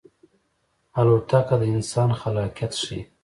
الوتکه د انسان خلاقیت ښيي.